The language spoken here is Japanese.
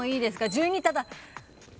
１２ただ。